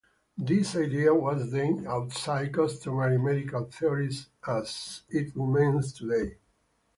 This idea was then outside customary medical theories, as it remains today.